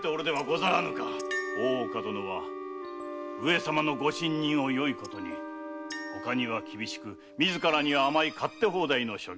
大岡殿は上様のご信任をよいことに他には厳しく自らには甘い勝手ほうだいの所業。